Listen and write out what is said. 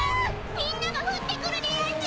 みんなが降ってくるでやんす！